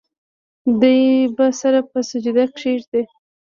دے به سر پۀ سجده کيږدي